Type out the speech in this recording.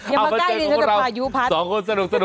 ยังมาใกล้นิดนึงแต่พายุพัดคุณผู้ชมครับสองคนสนุก